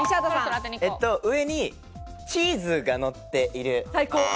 上にチーズがのっている。